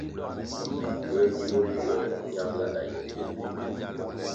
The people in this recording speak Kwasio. Puē gi boliole bo ñambʼla na ye pil mbpi pil?